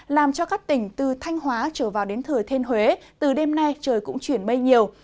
làm cho các tỉnh từ thanh hóa trở vào đến thừa thiên huế từ đêm nay trời cũng chuyển mây nhiều